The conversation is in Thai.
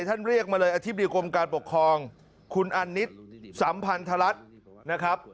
เรียกมาเลยอธิบดีกรมการปกครองคุณอันนิษฐ์สัมพันธรัฐนะครับ